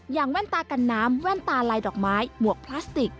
แว่นตากันน้ำแว่นตาลายดอกไม้หมวกพลาสติก